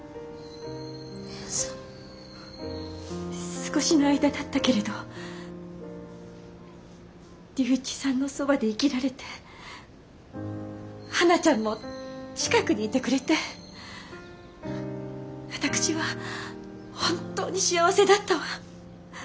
少しの間だったけれど龍一さんのそばで生きられてはなちゃんも近くにいてくれて私は本当に幸せだったわ。